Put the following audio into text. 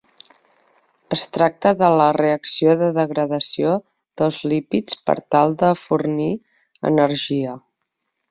Es tracta de la reacció de degradació dels lípids per tal de fornir energia.